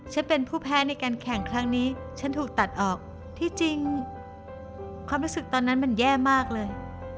เป็นผู้แพ้ในการแข่งครั้งนี้ฉันถูกตัดออกที่จริงความรู้สึกตอนนั้นมันแย่มากเลย